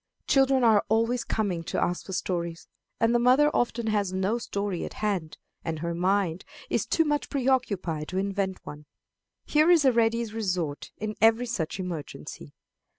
Children are always coming to ask for stories, and the mother often has no story at hand, and her mind is too much preoccupied to invent one. Here is a ready resort in every such emergency.